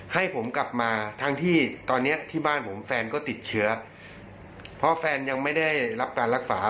ให้ผมกลับมาทั้งที่ตอนเนี้ยที่บ้านผมแฟนก็ติดเชื้อเพราะแฟนยังไม่ได้รับการรักษา